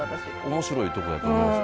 面白いとこやと思いますよ